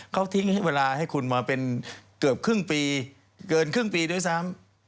เขาทิ้งให้เวลาให้คุณมาเป็นเกือบครึ่งปีเกินครึ่งปีด้วยซ้ำ